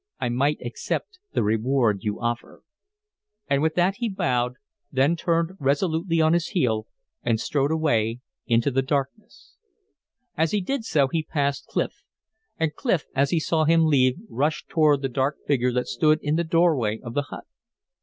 "I might accept the reward you offer." And with that he bowed, then turned resolutely on his heel and strode away into the darkness. As he did so he passed Clif; and Clif, as he saw him leave rushed toward the dark figure that stood in the doorway of the hut.